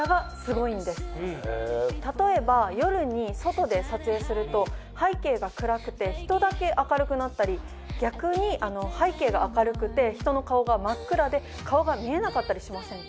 例えば夜に外で撮影すると背景が暗くて人だけ明るくなったり逆に背景が明るくて人の顔が真っ暗で顔が見えなかったりしませんか？